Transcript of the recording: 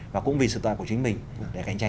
và cũng vì sự to của chính mình để cạnh tranh